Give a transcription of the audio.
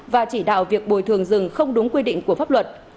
và chỉ đạo việc bồi thường rừng không đúng quy định của pháp luật